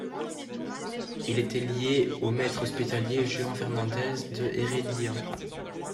Il était lié au maître hospitalier Juan Fernández de Heredia.